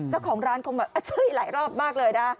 เจ้าของร้านคงแบบช่วยหลายรอบมากเลยนะ